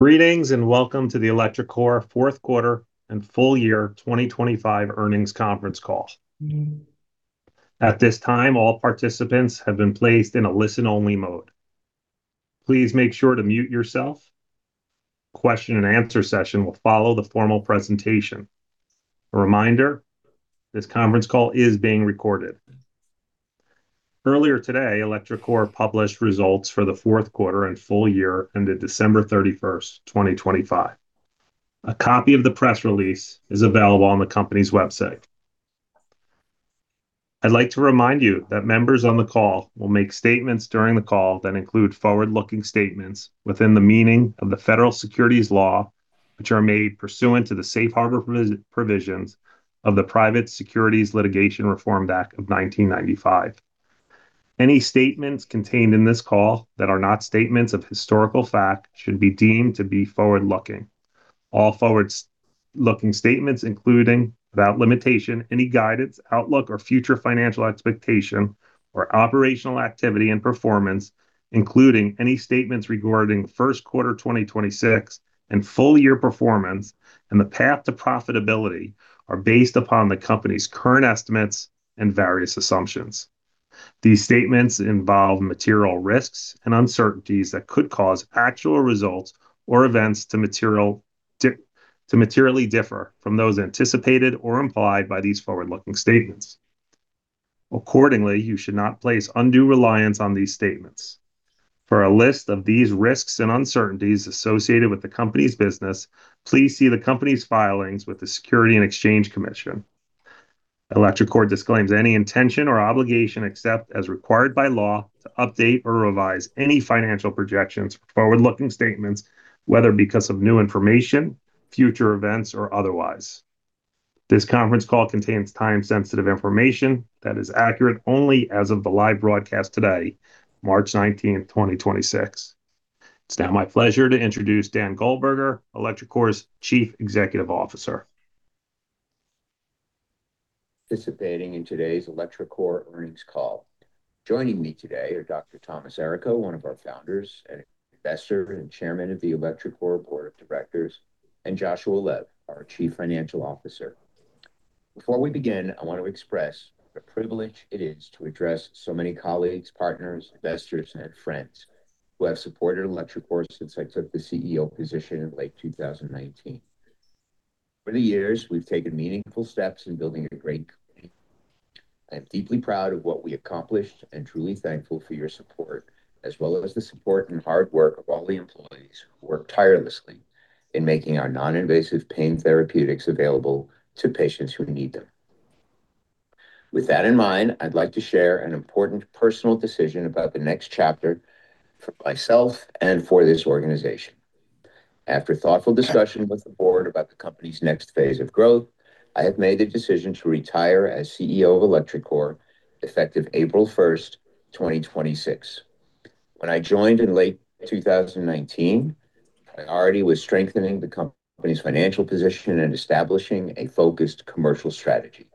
Greetings, and welcome to the electroCore fourth quarter and full year 2025 earnings conference call. At this time, all participants have been placed in a listen-only mode. Please make sure to mute yourself. Question and answer session will follow the formal presentation. A reminder, this conference call is being recorded. Earlier today, electroCore published results for the fourth quarter and full year ended December 31st, 2025. A copy of the press release is available on the company's website. I'd like to remind you that members on the call will make statements during the call that include forward-looking statements within the meaning of the federal securities law, which are made pursuant to the safe harbor provisions of the Private Securities Litigation Reform Act of 1995. Any statements contained in this call that are not statements of historical fact should be deemed to be forward-looking. All forward-looking statements, including without limitation, any guidance, outlook, or future financial expectation or operational activity and performance, including any statements regarding first quarter 2026 and full year performance and the path to profitability, are based upon the company's current estimates and various assumptions. These statements involve material risks and uncertainties that could cause actual results or events to materially differ from those anticipated or implied by these forward-looking statements. Accordingly, you should not place undue reliance on these statements. For a list of these risks and uncertainties associated with the company's business, please see the company's filings with the Securities and Exchange Commission. electroCore disclaims any intention or obligation, except as required by law, to update or revise any financial projections or forward-looking statements, whether because of new information, future events, or otherwise. This conference call contains time-sensitive information that is accurate only as of the live broadcast today, March 19, 2026. It's now my pleasure to introduce Dan Goldberger, electroCore's Chief Executive Officer. Participating in today's electroCore earnings call. Joining me today are Dr. Thomas Errico, one of our founders and investor and Chairman of the electroCore Board of Directors, and Joshua Lev, our Chief Financial Officer. Before we begin, I want to express what a privilege it is to address so many colleagues, partners, investors, and friends who have supported electroCore since I took the CEO position in late 2019. Over the years, we've taken meaningful steps in building a great company. I am deeply proud of what we accomplished and truly thankful for your support, as well as the support and hard work of all the employees who work tirelessly in making our non-invasive pain therapeutics available to patients who need them. With that in mind, I'd like to share an important personal decision about the next chapter for myself and for this organization. After thoughtful discussion with the board about the company's next phase of growth, I have made the decision to retire as CEO of electroCore effective April 1st, 2026. When I joined in late 2019, my priority was strengthening the company's financial position and establishing a focused commercial strategy.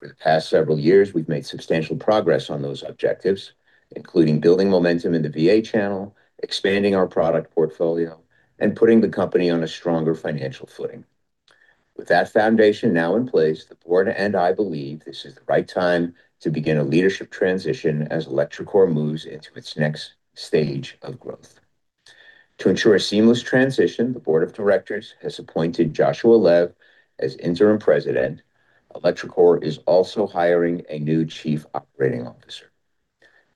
Over the past several years, we've made substantial progress on those objectives, including building momentum in the VA channel, expanding our product portfolio, and putting the company on a stronger financial footing. With that foundation now in place, the board and I believe this is the right time to begin a leadership transition as electroCore moves into its next stage of growth. To ensure a seamless transition, the Board of Directors has appointed Joshua Lev as Interim President. electroCore is also hiring a new Chief Operating Officer.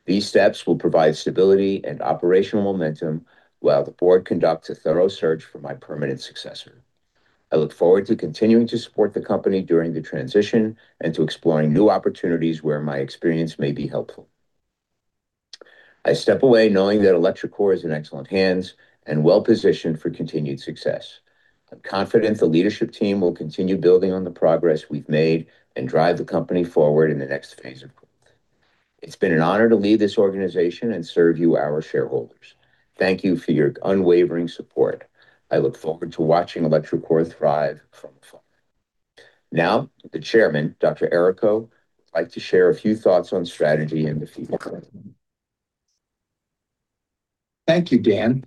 These steps will provide stability and operational momentum while the board conducts a thorough search for my permanent successor. I look forward to continuing to support the company during the transition and to exploring new opportunities where my experience may be helpful. I step away knowing that electroCore is in excellent hands and well-positioned for continued success. I'm confident the leadership team will continue building on the progress we've made and drive the company forward in the next phase of growth. It's been an honor to lead this organization and serve you, our shareholders. Thank you for your unwavering support. I look forward to watching electroCore thrive from afar. Now, the chairman, Dr. Errico, would like to share a few thoughts on strategy and the future. Thank you, Dan.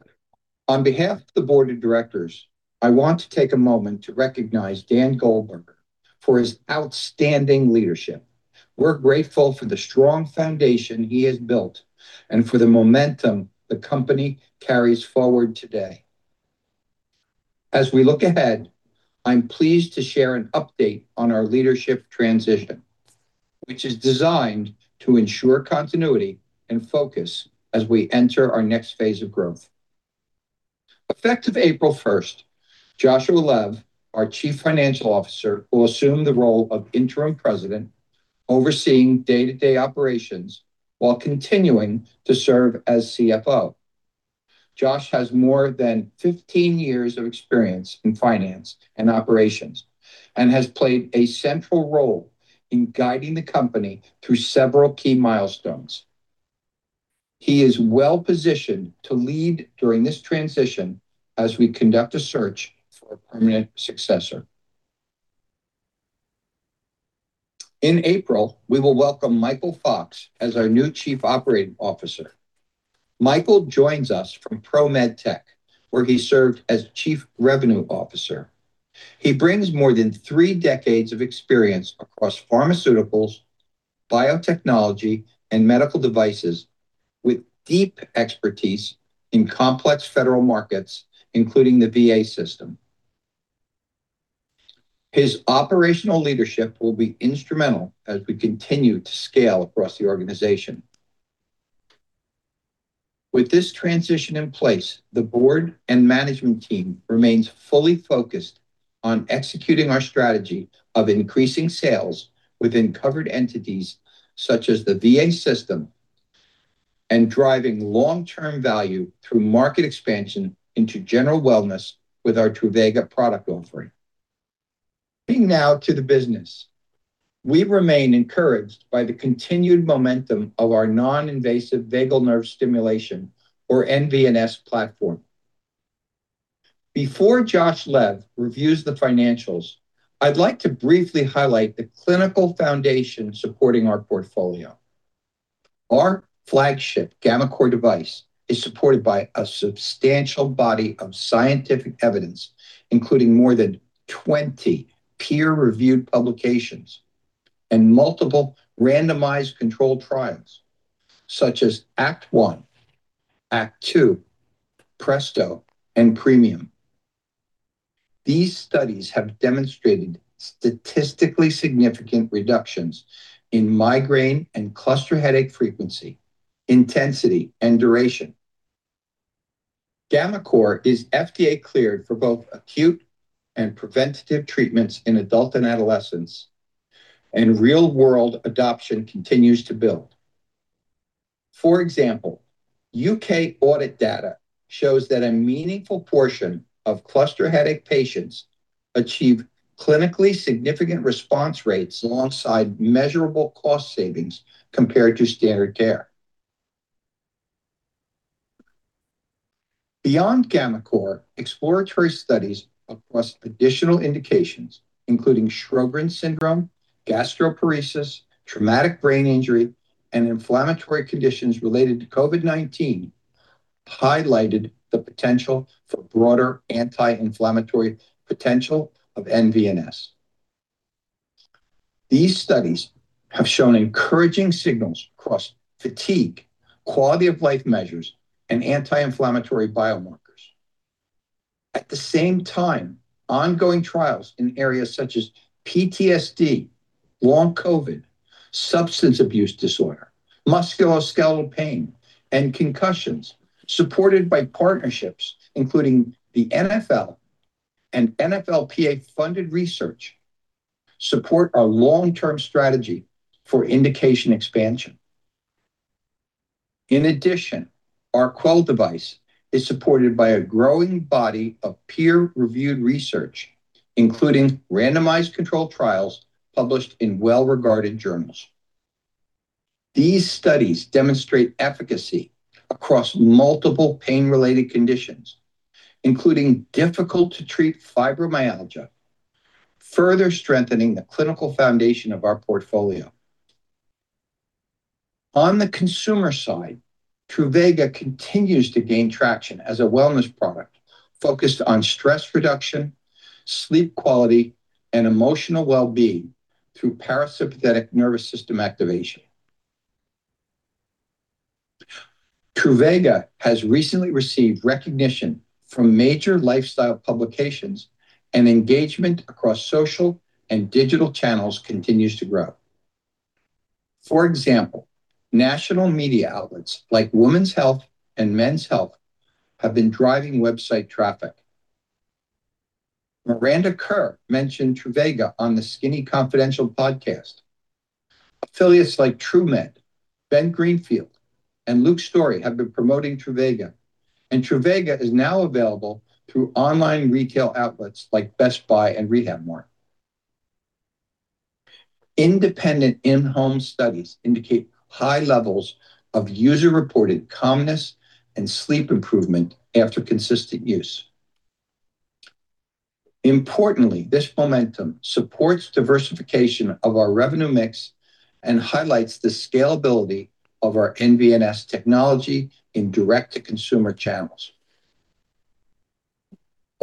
On behalf of the board of directors, I want to take a moment to recognize Dan Goldberger for his outstanding leadership. We're grateful for the strong foundation he has built and for the momentum the company carries forward today. As we look ahead, I'm pleased to share an update on our leadership transition, which is designed to ensure continuity and focus as we enter our next phase of growth. Effective April 1st, Joshua Lev, our Chief Financial Officer, will assume the role of interim president, overseeing day-to-day operations while continuing to serve as CFO. Josh has more than 15 years of experience in finance and operations and has played a central role in guiding the company through several key milestones. He is well-positioned to lead during this transition as we conduct a search for a permanent successor. In April, we will welcome Michael Fox as our new Chief Operating Officer. Michael joins us from ProMedTek, where he served as Chief Revenue Officer. He brings more than three decades of experience across pharmaceuticals, biotechnology, and medical devices with deep expertise in complex federal markets, including the VA system. His operational leadership will be instrumental as we continue to scale across the organization. With this transition in place, the board and management team remains fully focused on executing our strategy of increasing sales within covered entities such as the VA system and driving long-term value through market expansion into general wellness with our Truvaga product offering. Turning now to the business. We remain encouraged by the continued momentum of our non-invasive vagus nerve stimulation or nVNS platform. Before Joshua Lev reviews the financials, I'd like to briefly highlight the clinical foundation supporting our portfolio. Our flagship gammaCore device is supported by a substantial body of scientific evidence, including more than 20 peer-reviewed publications and multiple randomized controlled trials such as ACT 1 ACT 2, PRESTO, and PREMIUM. These studies have demonstrated statistically significant reductions in migraine and cluster headache frequency, intensity, and duration. gammaCore is FDA-cleared for both acute and preventative treatments in adult and adolescents, and real-world adoption continues to build. For example, U.K. audit data shows that a meaningful portion of cluster headache patients achieve clinically significant response rates alongside measurable cost savings compared to standard care. Beyond gammaCore, exploratory studies across additional indications, including Sjögren's syndrome, gastroparesis, traumatic brain injury, and inflammatory conditions related to COVID-19, highlighted the potential for broader anti-inflammatory potential of nVNS. These studies have shown encouraging signals across fatigue, quality-of-life measures, and anti-inflammatory biomarkers. At the same time, ongoing trials in areas such as PTSD, long COVID, substance abuse disorder, musculoskeletal pain, and concussions, supported by partnerships including the NFL and NFLPA-funded research, support our long-term strategy for indication expansion. In addition, our Quell device is supported by a growing body of peer-reviewed research, including randomized controlled trials published in well-regarded journals. These studies demonstrate efficacy across multiple pain-related conditions, including difficult-to-treat fibromyalgia, further strengthening the clinical foundation of our portfolio. On the consumer side, Truvaga continues to gain traction as a wellness product focused on stress reduction, sleep quality, and emotional well-being through parasympathetic nervous system activation. Truvaga has recently received recognition from major lifestyle publications, and engagement across social and digital channels continues to grow. For example, national media outlets like Women's Health and Men's Health have been driving website traffic. Miranda Kerr mentioned Truvaga on The Skinny Confidential podcast. Affiliates like TrueMed, Ben Greenfield, and Luke Storey have been promoting Truvaga. Truvaga is now available through online retail outlets like Best Buy and RehabMart. Independent in-home studies indicate high levels of user-reported calmness and sleep improvement after consistent use. Importantly, this momentum supports diversification of our revenue mix and highlights the scalability of our nVNS technology in direct-to-consumer channels.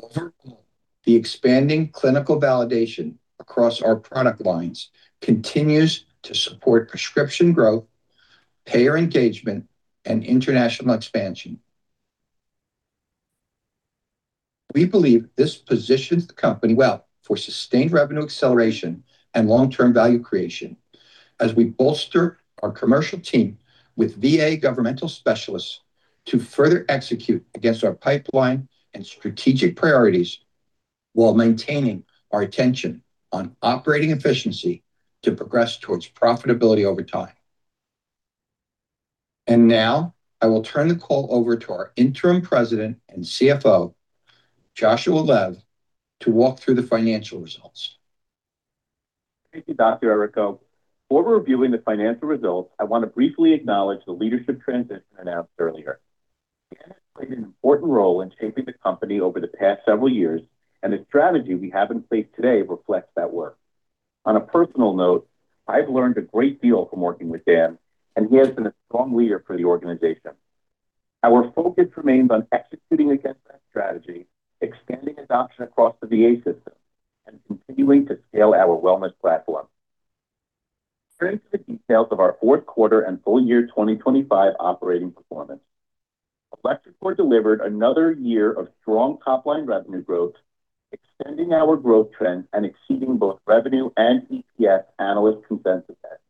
Overall, the expanding clinical validation across our product lines continues to support prescription growth, payer engagement, and international expansion. We believe this positions the company well for sustained revenue acceleration and long-term value creation as we bolster our commercial team with VA governmental specialists to further execute against our pipeline and strategic priorities while maintaining our attention on operating efficiency to progress towards profitability over time. Now, I will turn the call over to our interim president and CFO, Joshua Lev, to walk through the financial results. Thank you, Dr. Errico. Before reviewing the financial results, I want to briefly acknowledge the leadership transition announced earlier. Dan played an important role in shaping the company over the past several years, and the strategy we have in place today reflects that work. On a personal note, I've learned a great deal from working with Dan, and he has been a strong leader for the organization. Our focus remains on executing against that strategy, expanding adoption across the VA system, and continuing to scale our wellness platform. Turning to the details of our fourth quarter and full year 2025 operating performance. electroCore delivered another year of strong top-line revenue growth, extending our growth trend and exceeding both revenue and EPS analyst consensus estimates.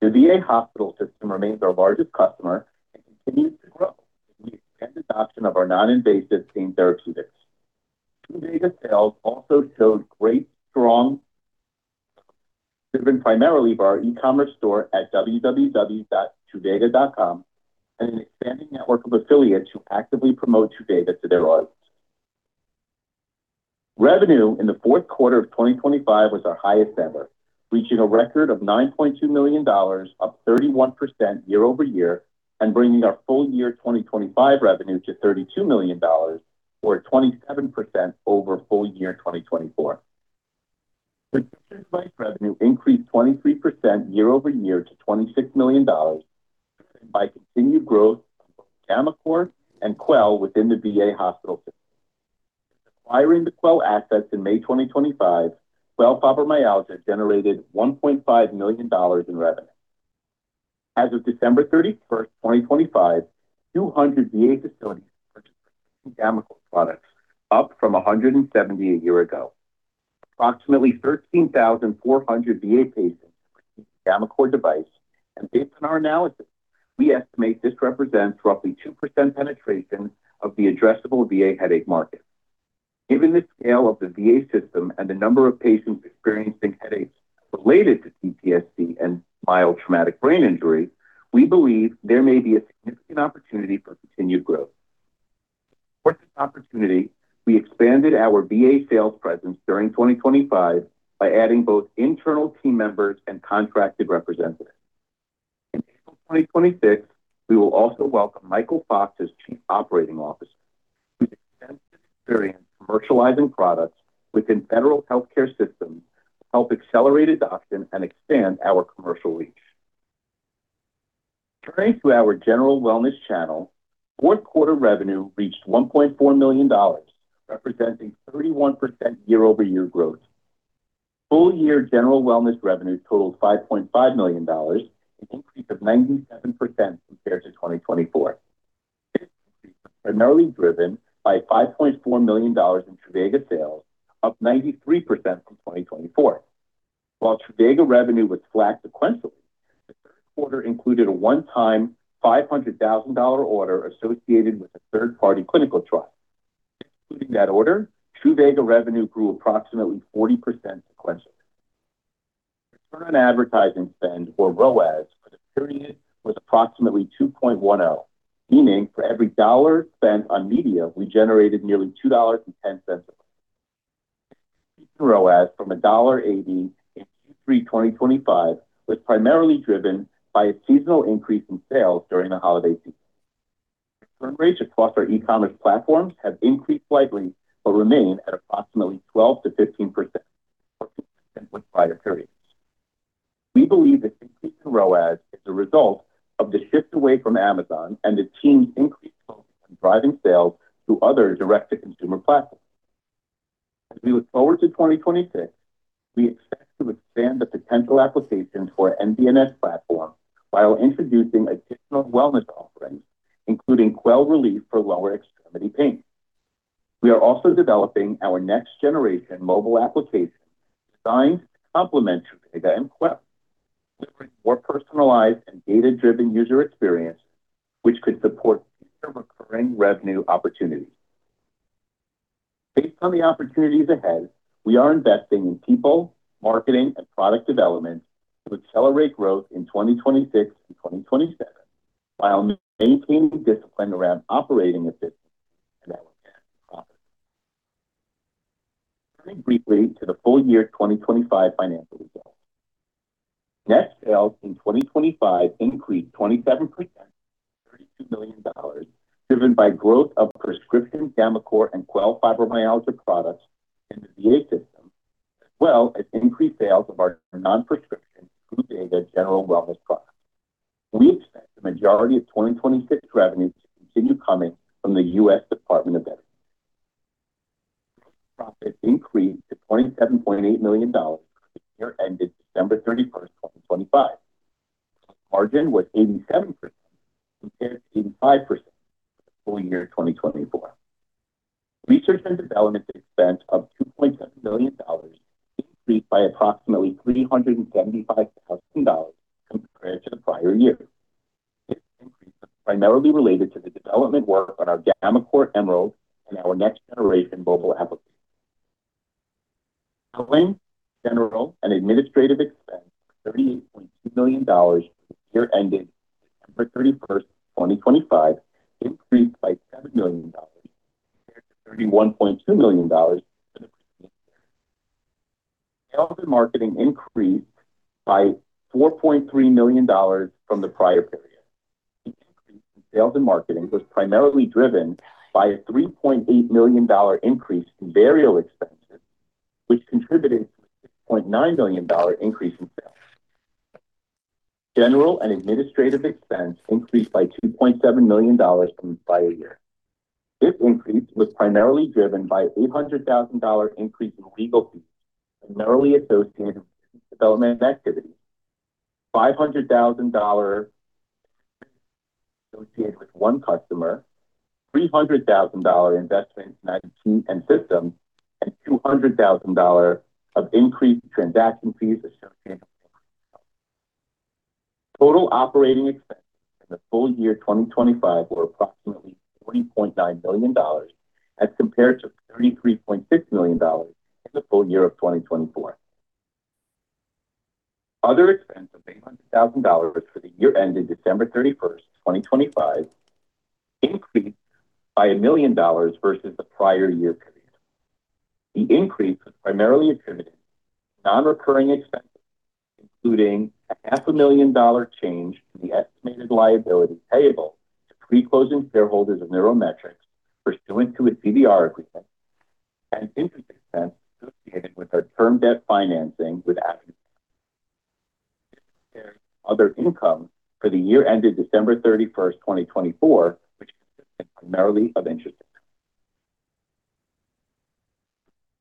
The VA hospital system remains our largest customer and continues to grow with the expanded adoption of our non-invasive pain therapeutics. Truvaga sales also showed strong growth, driven primarily by our e-commerce store at www.truvaga.com and an expanding network of affiliates who actively promote Truvaga to their audience. Revenue in the fourth quarter of 2025 was our highest ever, reaching a record of $9.2 million, up 31% year-over-year, and bringing our full year 2025 revenue to $32 million or 27% over full year 2024. Prescription device revenue increased 23% year-over-year to $26 million by continued growth of gammaCore and Quell within the VA hospital system. Acquiring the Quell assets in May 2025, Quell Fibromyalgia generated $1.5 million in revenue. As of December 31st, 2025, 200 VA facilities purchased gammaCore products, up from 170 a year ago. Approximately 13,400 VA patients received gammaCore device. Based on our analysis, we estimate this represents roughly 2% penetration of the addressable VA headache market. Given the scale of the VA system and the number of patients experiencing headaches related to PTSD and mild traumatic brain injury, we believe there may be a significant opportunity for continued growth. Towards this opportunity, we expanded our VA sales presence during 2025 by adding both internal team members and contracted representatives. In April 2026, we will also welcome Michael Fox as Chief Operating Officer, whose extensive experience commercializing products within federal healthcare systems will help accelerate adoption and expand our commercial reach. Turning to our general wellness channel, fourth quarter revenue reached $1.4 million, representing 31% year-over-year growth. Full year general wellness revenue totaled $5.5 million, an increase of 97% compared to 2024. This increase was primarily driven by $5.4 million in Truvaga sales, up 93% from 2024. While Truvaga revenue was flat sequentially, the third quarter included a one-time $500,000 order associated with a third-party clinical trial. Excluding that order, Truvaga revenue grew approximately 40% sequentially. Return on advertising spend or ROAS for the period was approximately $2.10, meaning for every dollar spent on media, we generated nearly $2.10. Increase in ROAS from $1.80 in Q3 2025 was primarily driven by a seasonal increase in sales during the holiday season. Return rates across our e-commerce platforms have increased slightly but remain at approximately 12%-15%, 14% with prior periods. We believe the increase in ROAS is a result of the shift away from Amazon and the team's increased focus on driving sales to other direct-to-consumer platforms. As we look forward to 2026, we expect to expand the potential applications for our nVNS platform while introducing additional wellness offerings, including Quell Relief for lower extremity pain. We are also developing our next generation mobile application designed to complement Truvaga and Quell, which brings more personalized and data-driven user experience, which could support future recurring revenue opportunities. Based on the opportunities ahead, we are investing in people, marketing, and product development to accelerate growth in 2026 and 2027 while maintaining discipline around operating efficiency and our path to profit. Turning briefly to the full year 2025 financial results. Net sales in 2025 increased 27% to $32 million, driven by growth of prescription gammaCore and Quell Fibromyalgia products in the VA system, as well as increased sales of our non-prescription Truvaga general wellness products. We expect the majority of 2026 revenue to continue coming from the U.S. Department of Veterans Affairs. Profit increased to $27.8 million for the year ended December 31st, 2025. Gross margin was 87% compared to 85% for the full year 2024. Research and development expense of $2.7 million increased by approximately $375,000 compared to the prior year. This increase was primarily related to the development work on our gammaCore Emerald and our next generation mobile application. Selling, general, and administrative expense of $38.2 million for the year ended December 31st, 2025 increased by $7 million compared to $31.2 million. Sales and marketing increased by $4.3 million from the prior period. The increase in sales and marketing was primarily driven by a $3.8 million increase in personnel expenses, which contributed to a $0.9 million increase in sales. General and administrative expense increased by $2.7 million from the prior year. This increase was primarily driven by $800,000 increase in legal fees, primarily associated with development activity. $500,000 associated with one customer, $300,000 investment in IT and systems, and $200,000 of increased transaction fees associated with. Total operating expenses in the full year 2025 were approximately $40.9 million as compared to $33.6 million in the full year of 2024. Other expense of $800,000 for the year ended December 31, 2025 increased by $1 million versus the prior year period. The increase was primarily attributed to non-recurring expenses, including a $0.5 million change to the estimated liability payable to pre-closing shareholders of NeuroMetrix pursuant to its CVR agreement and interest expense associated with our term debt financing with. Other income for the year ended December 31st, 2024, which consisted primarily of interest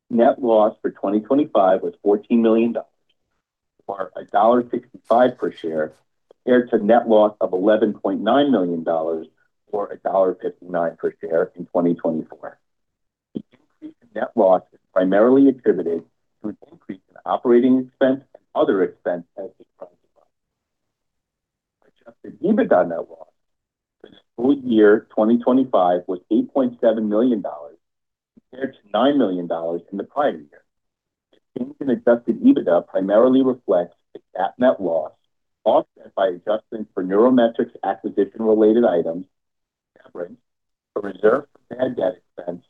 income. Net loss for 2025 was $14 million or $1.65 per share, compared to net loss of $11.9 million or $1.59 per share in 2024. The increase in net loss is primarily attributed to an increase in operating expense and other expense as described. Adjusted EBITDA net loss for the full year 2025 was $8.7 million compared to $9 million in the prior year. The change in adjusted EBITDA primarily reflects the GAAP net loss, offset by adjustments for NeuroMetrix acquisition related items, a reserve for bad debt expense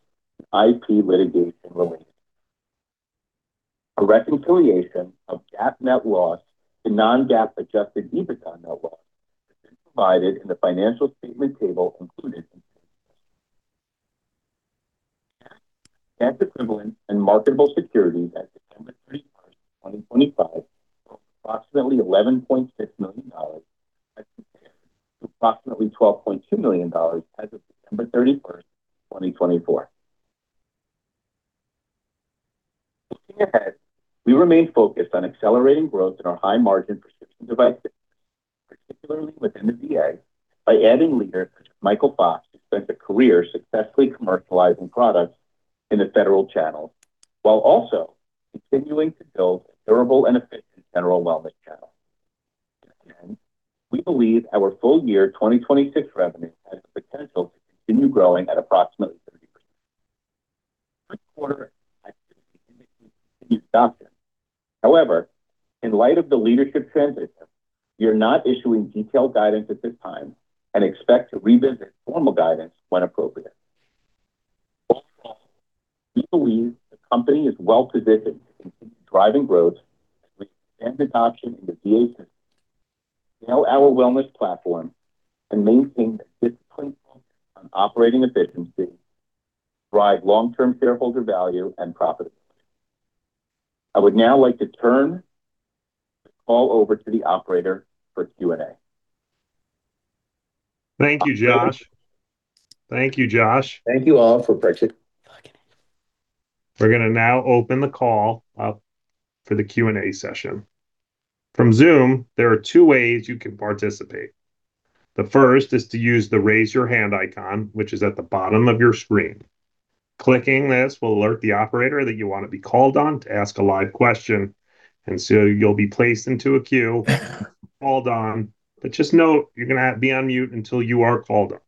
and IP litigation related. A reconciliation of GAAP net loss to non-GAAP adjusted EBITDA net loss has been provided in the financial statement table included in. Cash equivalents and marketable securities at December 31st, 2025 were approximately $11.6 million as compared to approximately $12.2 million as of December 31st, 2024. Looking ahead, we remain focused on accelerating growth in our high-margin prescription device business, particularly within the VA, by adding leaders such as Michael Fox, who spent a career successfully commercializing products in the federal channels, while also continuing to build a durable and efficient general wellness channel. Again, we believe our full year 2026 revenue has the potential to continue growing at approximately 30%. Third quarter activity indicates continued adoption. However, in light of the leadership transition, we are not issuing detailed guidance at this time and expect to revisit formal guidance when appropriate. Overall, we believe the company is well-positioned to continue driving growth, to reach expanded adoption in the VA system, scale our wellness platform and maintain a disciplined focus on operating efficiency to drive long-term shareholder value and profitability. I would now like to turn the call over to the operator for Q&A. Thank you, Josh. Thank you all for participating. We're gonna now open the call up for the Q&A session. From Zoom, there are two ways you can participate. The first is to use the Raise Your Hand icon, which is at the bottom of your screen. Clicking this will alert the operator that you want to be called on to ask a live question, and so you'll be placed into a queue, called on. But just note, you're gonna have on mute until you are called on.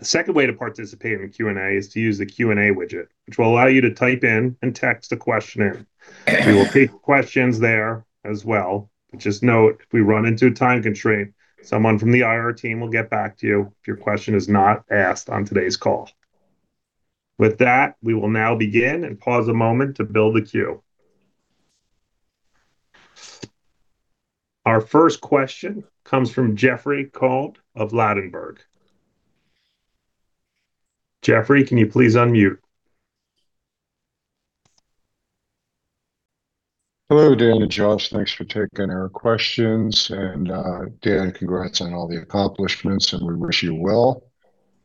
The second way to participate in the Q&A is to use the Q&A widget, which will allow you to type in and text a question in. We will take questions there as well. But just note, if we run into a time constraint, someone from the IR team will get back to you if your question is not asked on today's call. With that, we will now begin and pause a moment to build the queue. Our first question comes from Jeffrey Cohen of Ladenburg. Jeffrey, can you please unmute? Hello, Dan and Josh. Thanks for taking our questions. Dan, congrats on all the accomplishments, and we wish you well.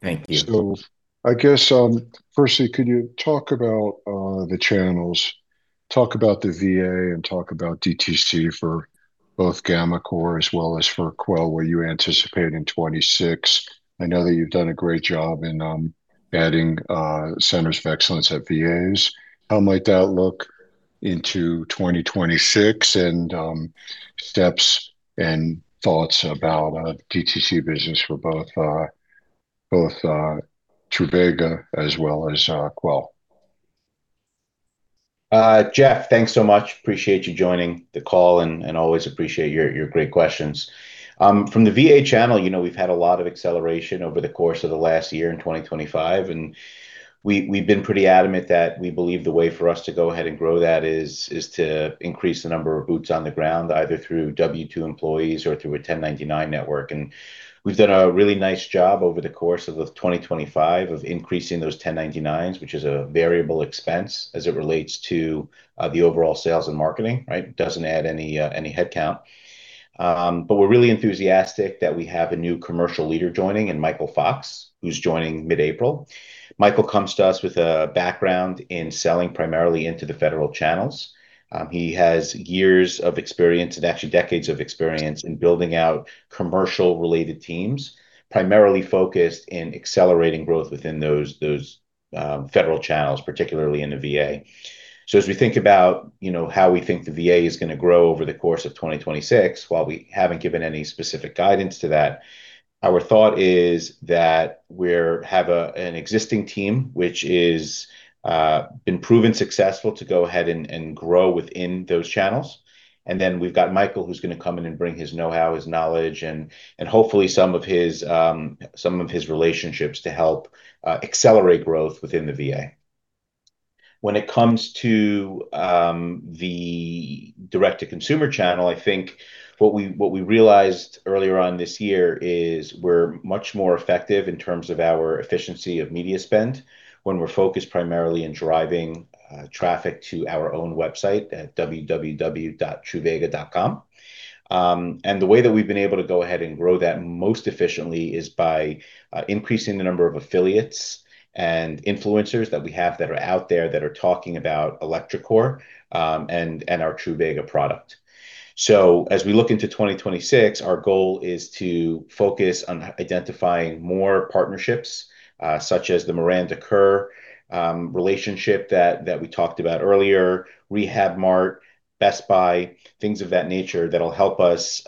Thank you. I guess, firstly, could you talk about the channels, talk about the VA and talk about DTC for both gammaCore as well as for Quell, where you anticipate in 2026? I know that you've done a great job in adding centers of excellence at VAs. How might that look into 2026 and steps and thoughts about DTC business for both Truvaga as well as Quell? Jeff, thanks so much. Appreciate you joining the call and always appreciate your great questions. From the VA channel, you know, we've had a lot of acceleration over the course of the last year in 2025. We've been pretty adamant that we believe the way for us to go ahead and grow that is to increase the number of boots on the ground, either through W-2 employees or through a 1099 network. We've done a really nice job over the course of 2025 of increasing those 1099s, which is a variable expense as it relates to the overall sales and marketing, right? Doesn't add any headcount. We're really enthusiastic that we have a new commercial leader joining in Michael Fox, who's joining mid-April. Michael comes to us with a background in selling primarily into the federal channels. He has years of experience and actually decades of experience in building out commercial related teams, primarily focused in accelerating growth within those federal channels, particularly in the VA. As we think about how we think the VA is gonna grow over the course of 2026, while we haven't given any specific guidance to that, our thought is that we're an existing team, which has been proven successful to go ahead and grow within those channels. Then we've got Michael, who's gonna come in and bring his know-how, his knowledge, and hopefully some of his relationships to help accelerate growth within the VA. When it comes to the direct-to-consumer channel, I think what we realized earlier on this year is we're much more effective in terms of our efficiency of media spend when we're focused primarily in driving traffic to our own website at www.truvaga.com. The way that we've been able to go ahead and grow that most efficiently is by increasing the number of affiliates and influencers that we have that are out there that are talking about electroCore, and our Truvaga product. As we look into 2026, our goal is to focus on identifying more partnerships, such as the Miranda Kerr relationship that we talked about earlier, RehabMart, Best Buy, things of that nature that'll help us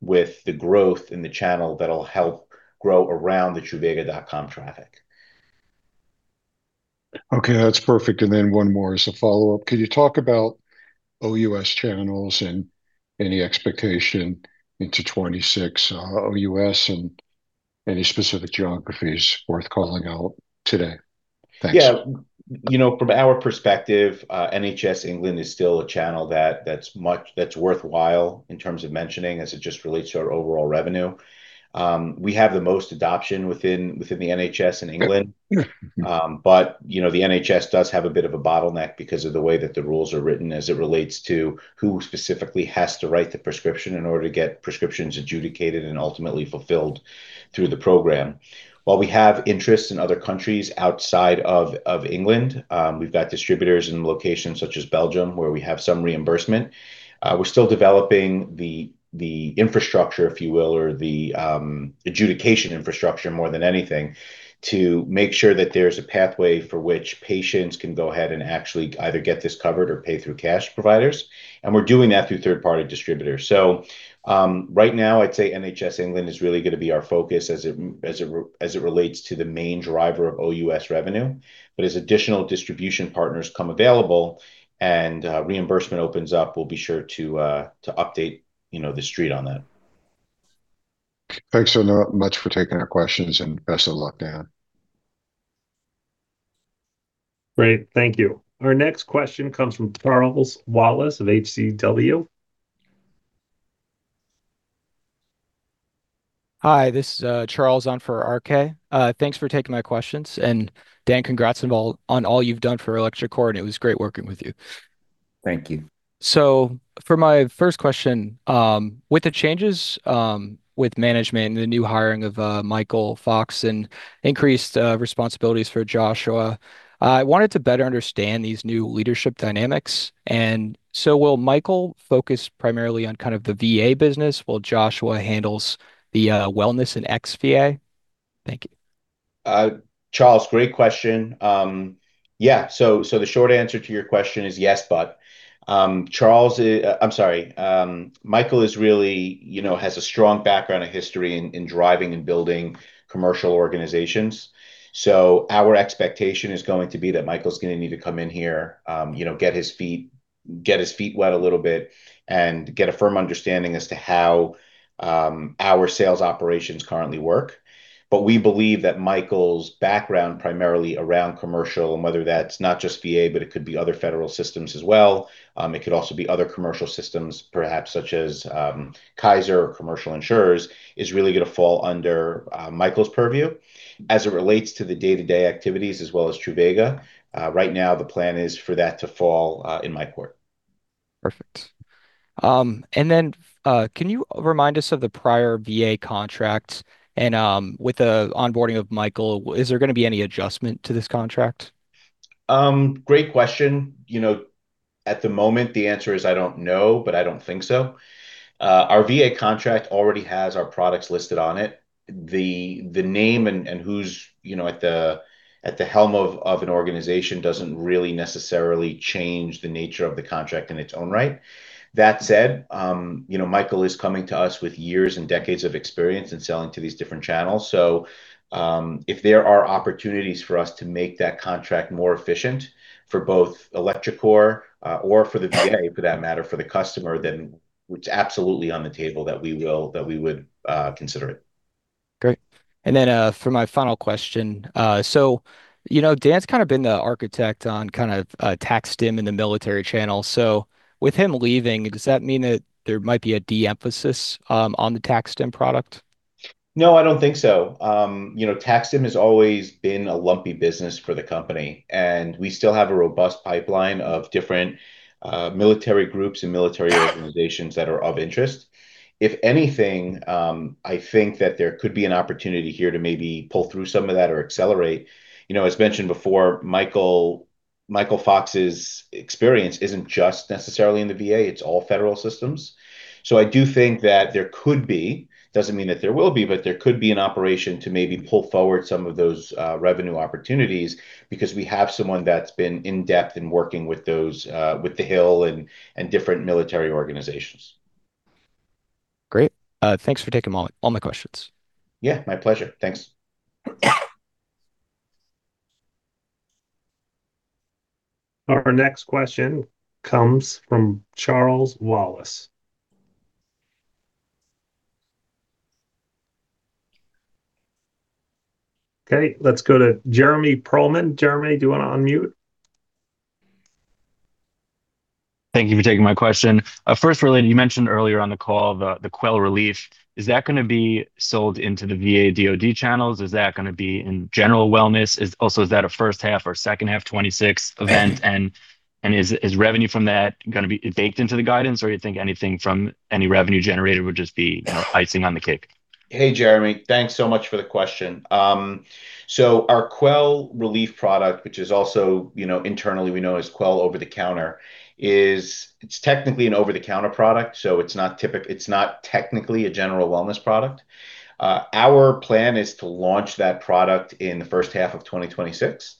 with the growth in the channel that'll help grow around the truvaga.com traffic. Okay. That's perfect. One more as a follow-up. Can you talk about OUS channels and any expectation into 2026, OUS and any specific geographies worth calling out today? Thanks. Yeah. You know, from our perspective, NHS England is still a channel that's worthwhile in terms of mentioning as it just relates to our overall revenue. We have the most adoption within the NHS in England. Yeah. You know, the NHS does have a bit of a bottleneck because of the way that the rules are written as it relates to who specifically has to write the prescription in order to get prescriptions adjudicated and ultimately fulfilled through the program. While we have interests in other countries outside of England, we've got distributors in locations such as Belgium, where we have some reimbursement. We're still developing the infrastructure, if you will, or the adjudication infrastructure more than anything, to make sure that there's a pathway for which patients can go ahead and actually either get this covered or pay through cash providers, and we're doing that through third-party distributors. Right now, I'd say NHS England is really gonna be our focus as it relates to the main driver of OUS revenue. As additional distribution partners become available and reimbursement opens up, we'll be sure to update, you know, the street on that. Thanks so much for taking our questions, and best of luck, Dan. Great. Thank you. Our next question comes from Charles Wallace of HCW. Hi, this is Charles on for R.K.. Thanks for taking my questions. Dan, congrats on all you've done for electroCore, and it was great working with you. Thank you. For my first question, with the changes with management and the new hiring of Michael Fox and increased responsibilities for Joshua, I wanted to better understand these new leadership dynamics. Will Michael focus primarily on kind of the VA business while Joshua handles the wellness and ex-VA? Thank you. Charles, great question. The short answer to your question is yes, but, Charles, I'm sorry. Michael is really, you know, has a strong background and history in driving and building commercial organizations. Our expectation is going to be that Michael's gonna need to come in here, get his feet wet a little bit, and get a firm understanding as to how our sales operations currently work. We believe that Michael's background primarily around commercial and whether that's not just VA, but it could be other federal systems as well, it could also be other commercial systems, perhaps such as, Kaiser or commercial insurers, is really gonna fall under, Michael's purview. As it relates to the day-to-day activities as well as Truvaga, right now the plan is for that to fall in my court. Perfect. Can you remind us of the prior VA contracts? With the onboarding of Michael, is there gonna be any adjustment to this contract? Great question. You know, at the moment, the answer is I don't know, but I don't think so. Our VA contract already has our products listed on it. The name and who's, you know, at the helm of an organization doesn't really necessarily change the nature of the contract in its own right. That said, you know, Michael is coming to us with years and decades of experience in selling to these different channels. If there are opportunities for us to make that contract more efficient for both electroCore, or for the VA for that matter, for the customer, then it's absolutely on the table that we would consider it. Great. For my final question. You know, Dan's kind of been the architect on kinda TAC-STIM in the military channel. With him leaving, does that mean that there might be a de-emphasis on the TAC-STIM product? No, I don't think so. You know, TAC-STIM has always been a lumpy business for the company, and we still have a robust pipeline of different military groups and military organizations that are of interest. If anything, I think that there could be an opportunity here to maybe pull through some of that or accelerate. You know, as mentioned before, Michael Fox's experience isn't just necessarily in the VA, it's all federal systems. I do think that there could be, doesn't mean that there will be, but there could be an opportunity to maybe pull forward some of those revenue opportunities because we have someone that's been in-depth in working with those, with the hill and different military organizations. Great. Thanks for taking all my questions. Yeah, my pleasure. Thanks. Our next question comes from Charles Wallace. Okay, let's go to Jeremy Pearlman. Jeremy, do you wanna unmute? Thank you for taking my question. First related, you mentioned earlier on the call the Quell Relief. Is that gonna be sold into the VA/DoD channels? Is that gonna be in general wellness? Also, is that a first half or second half 2026 event? And is revenue from that gonna be baked into the guidance, or you think anything from any revenue generated would just be, you know, icing on the cake? Hey, Jeremy. Thanks so much for the question. Our Quell Relief product, which is also, you know, internally we know as Quell over-the-counter, it's technically an over-the-counter product, so it's not technically a general wellness product. Our plan is to launch that product in the first half of 2026.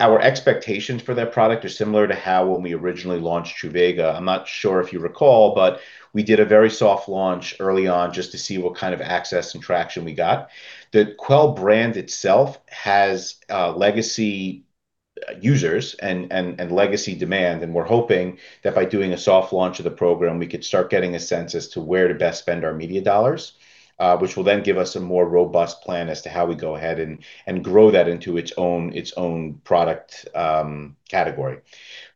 Our expectations for that product are similar to how when we originally launched Truvaga. I'm not sure if you recall, but we did a very soft launch early on just to see what kind of access and traction we got. The Quell brand itself has legacy users and legacy demand, and we're hoping that by doing a soft launch of the program, we could start getting a sense as to where to best spend our media dollars, which will then give us a more robust plan as to how we go ahead and grow that into its own product category.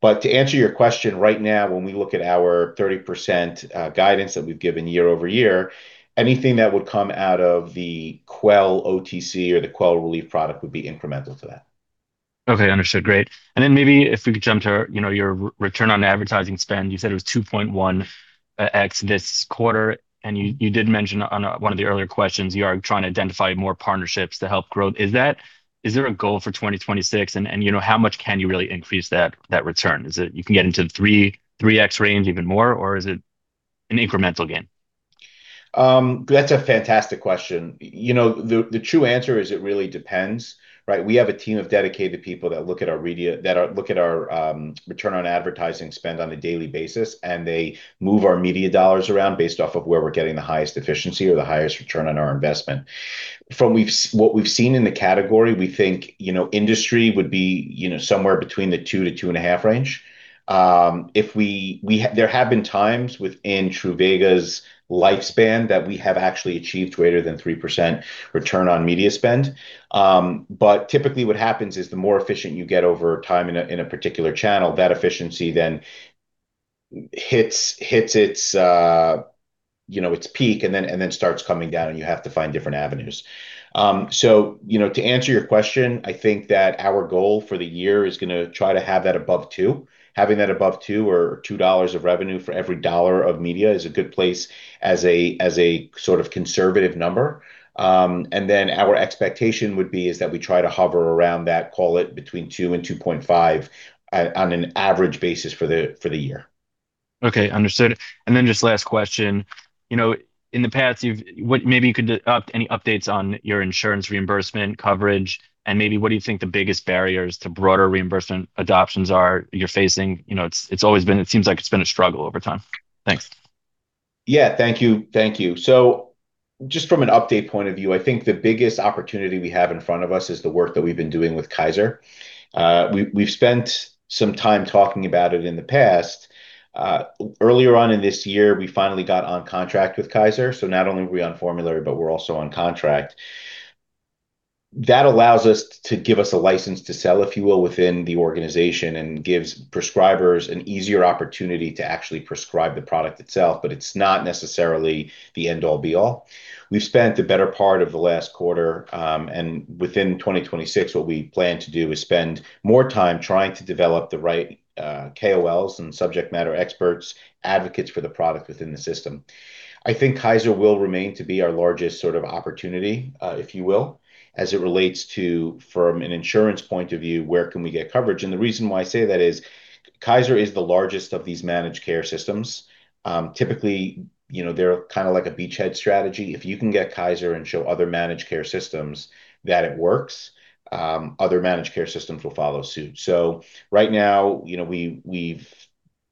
To answer your question, right now, when we look at our 30% guidance that we've given year-over-year, anything that would come out of the Quell OTC or the Quell Relief product would be incremental to that. Okay. Understood. Great. Then maybe if we could jump to, you know, your return on advertising spend. You said it was 2.1x this quarter, and you did mention on one of the earlier questions you are trying to identify more partnerships to help growth. Is there a goal for 2026? You know, how much can you really increase that return? Is it you can get into the 3x range even more, or is it an incremental gain? That's a fantastic question. You know, the true answer is it really depends, right? We have a team of dedicated people that look at our return on advertising spend on a daily basis, and they move our media dollars around based off of where we're getting the highest efficiency or the highest return on our investment. From what we've seen in the category, we think, you know, industry would be, you know, somewhere between the 2-2.5 range. There have been times within Truvaga's lifespan that we have actually achieved greater than 3% return on media spend. Typically what happens is the more efficient you get over time in a particular channel, that efficiency then hits its you know its peak and then starts coming down, and you have to find different avenues. So, you know, to answer your question, I think that our goal for the year is gonna try to have that above two. Having that above 2 or $2 of revenue for every dollar of media is a good place as a sort of conservative number. Then our expectation would be is that we try to hover around that, call it between two and 2.5 on an average basis for the year. Okay. Understood. Just last question. You know, in the past, any updates on your insurance reimbursement coverage, and maybe what do you think the biggest barriers to broader reimbursement adoptions are you're facing? You know, it's always been it seems like it's been a struggle over time. Thanks. Yeah. Thank you. Thank you. Just from an update point of view, I think the biggest opportunity we have in front of us is the work that we've been doing with Kaiser. We've spent some time talking about it in the past. Earlier on in this year, we finally got on contract with Kaiser, so not only were we on formulary, but we're also on contract. That allows us to give us a license to sell, if you will, within the organization and gives prescribers an easier opportunity to actually prescribe the product itself, but it's not necessarily the end-all be-all. We've spent the better part of the last quarter, and within 2026, what we plan to do is spend more time trying to develop the right KOLs and subject matter experts, advocates for the product within the system. I think Kaiser will remain to be our largest sort of opportunity, if you will, as it relates to from an insurance point of view, where can we get coverage? The reason why I say that is Kaiser is the largest of these managed care systems. Typically, you know, they're kinda like a beachhead strategy. If you can get Kaiser and show other managed care systems that it works, other managed care systems will follow suit. Right now, you know, we've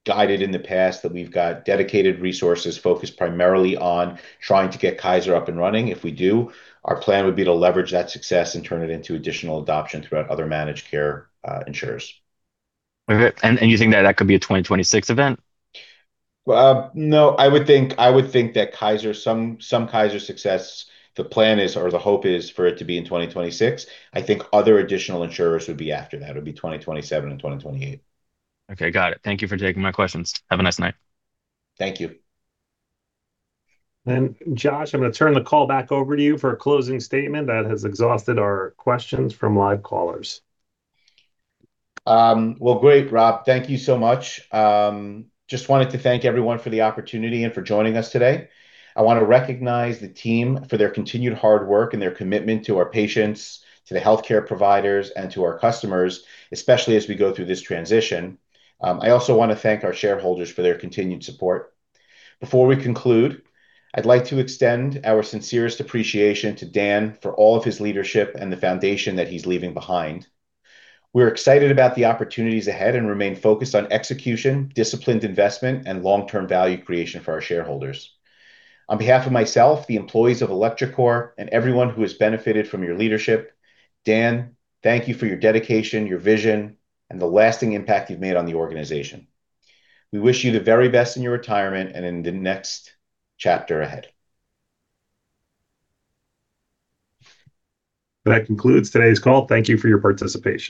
guided in the past that we've got dedicated resources focused primarily on trying to get Kaiser up and running. If we do, our plan would be to leverage that success and turn it into additional adoption throughout other managed care, insurers. Okay. You think that that could be a 2026 event? Well, no, I would think that some Kaiser success, the plan is or the hope is for it to be in 2026. I think other additional insurers would be after that. It would be 2027 and 2028. Okay. Got it. Thank you for taking my questions. Have a nice night. Thank you. Josh, I'm gonna turn the call back over to you for a closing statement. That has exhausted our questions from live callers. Well, great, Rob. Thank you so much. Just wanted to thank everyone for the opportunity and for joining us today. I wanna recognize the team for their continued hard work and their commitment to our patients, to the healthcare providers, and to our customers, especially as we go through this transition. I also wanna thank our shareholders for their continued support. Before we conclude, I'd like to extend our sincerest appreciation to Dan for all of his leadership and the foundation that he's leaving behind. We're excited about the opportunities ahead and remain focused on execution, disciplined investment, and long-term value creation for our shareholders. On behalf of myself, the employees of electroCore, and everyone who has benefited from your leadership, Dan, thank you for your dedication, your vision, and the lasting impact you've made on the organization. We wish you the very best in your retirement and in the next chapter ahead. That concludes today's call. Thank you for your participation.